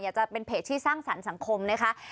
จะเป็นเพจที่สร้างสรรค์สังคมนะคะ